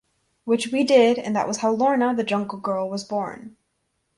Which we did, and that was how Lorna, the Jungle Girl was born.